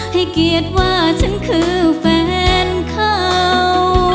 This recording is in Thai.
ให้เกียรติว่าฉันคือแฟนเขา